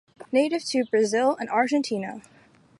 Native To: Brazil and Argentina.